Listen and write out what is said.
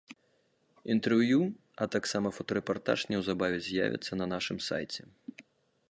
Інтэрв'ю, а таксама фотарэпартаж неўзабаве з'явяцца на нашым сайце.